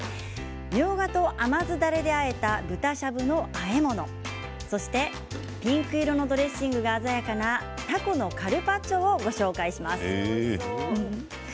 みょうがを甘酢だれであえた豚しゃぶそしてピンク色のドレッシングが鮮やかなたこのカルパッチョをお伝えします。